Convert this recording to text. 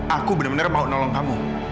aku bener bener mau nolong kamu